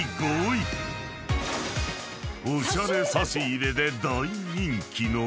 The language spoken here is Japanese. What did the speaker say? ［おしゃれ差し入れで大人気のパン］